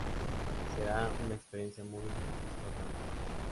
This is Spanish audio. Será una experiencia muy discordante.